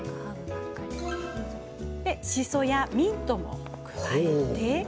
シソとミントも加えて。